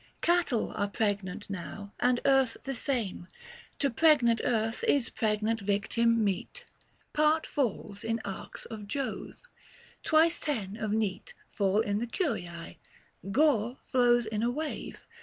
Cattle are pregnant now, and earth the same ; 725 To pregnant earth is pregnant victim meet. Part falls in arx of Jove. Twice ten of neat Fall in the Curiae ; gore flows in a wave.